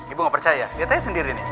ibu gak percaya lihat aja sendiri nih